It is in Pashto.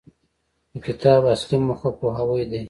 د کتاب اصلي موخه پوهاوی دی.